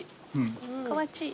かわちい。